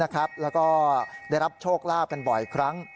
แล้วก็ได้รับโชคลาภกันบ่อยครั้ง